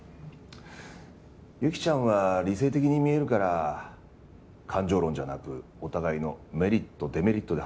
雪ちゃんは理性的に見えるから感情論じゃなくお互いのメリットデメリットで話をしたいんだけど。